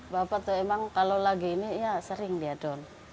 bapak tuh emang kalau lagi ini ya sering dia down